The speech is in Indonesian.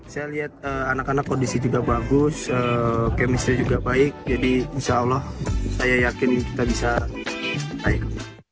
saya lihat anak anak kondisi juga bagus chemistry juga baik jadi insya allah saya yakin kita bisa baik